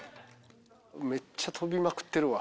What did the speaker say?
めっちゃ飛びまくってるわ。